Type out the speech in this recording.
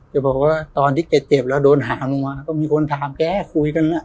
แกบอกว่าตอนที่แกเจ็บแล้วโดนหาลงมาก็มีคนถามแกคุยกัน